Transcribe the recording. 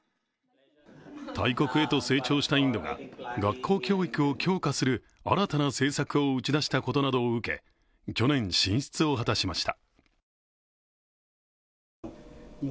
大国へと成長したインドが学校教育を強化する新たな政策を打ち出したことなどを受け去年、進出を果たしました。